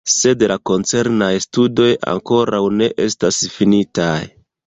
Sed la koncernaj studoj ankoraŭ ne estas finitaj.